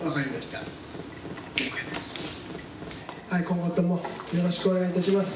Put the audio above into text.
今後ともよろしくお願いします。